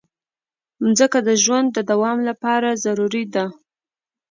مځکه د ژوند د دوام لپاره ضروري ده.